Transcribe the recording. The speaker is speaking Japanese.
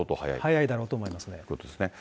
早いだろうと思いますね。ということですね。